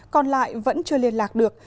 còn lại vẫn chưa liên lạc được